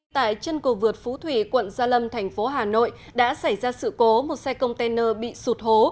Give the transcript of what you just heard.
tại chân cầu vượt phú thủy quận gia lâm thành phố hà nội đã xảy ra sự cố một xe container bị sụt hố